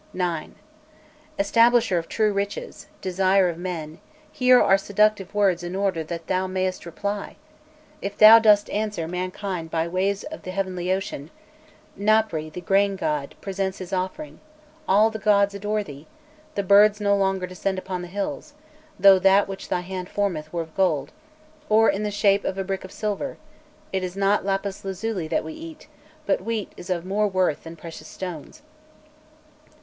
"X. Establisher of true riches, desire of men, here are seductive words in order that thou mayest reply; if thou dost answer mankind by waves of the heavenly Ocean, Napri, the grain god, presents his offering, all the gods adore (thee), the birds no longer descend upon the hills; though that which thy hand formeth were of gold or in the shape of a brick of silver, it is not lapis lazuli that we eat, but wheat is of more worth than precious stones.